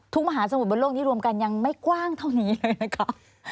มหาสมุทรบนโลกนี้รวมกันยังไม่กว้างเท่านี้เลยนะคะ